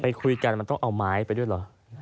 คุยกันมันต้องเอาไม้ไปด้วยเหรอ